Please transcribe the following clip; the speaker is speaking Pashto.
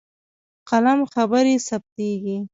په قلم خبرې ثبتېږي.